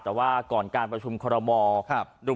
แต่ว่าก่อนการความกระชุมคลบรม่อ